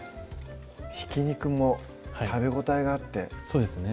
ひき肉も食べ応えがあってそうですね